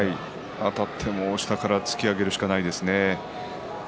あたって下から突き上げるしかないですね。